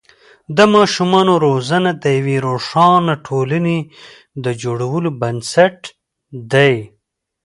د ماشومانو روزنه د یوې روښانه ټولنې د جوړولو بنسټ دی.